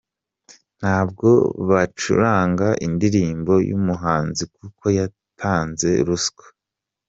Ntabwo bacuranga indirimbo y’umuhanzi kuko yatanze ruswa.